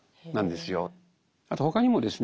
あと他にもですね